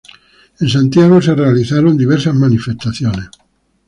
En Santiago se realizaron diversas manifestaciones.